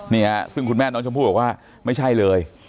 นี่ฮะซึ่งคุณแม่น้องชมพู่บอกว่าไม่ใช่เลย